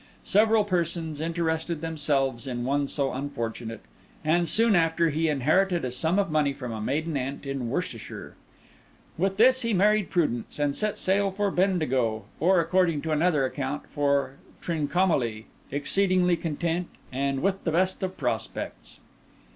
Several persons interested themselves in one so unfortunate; and soon after he inherited a sum of money from a maiden aunt in Worcestershire. With this he married Prudence, and set sail for Bendigo, or according to another account, for Trincomalee, exceedingly content, and will the best of prospects.